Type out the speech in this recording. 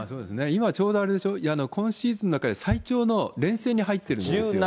今ちょうどあれでしょ、今シーズンの中で最長の連戦に入ってるんですよね。